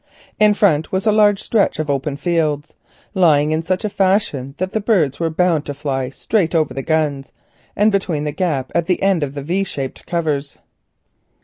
In front was a large stretch of open fields, lying in such a fashion that the birds were bound to fly straight over the guns and between the gap at the end of the V shaped covers.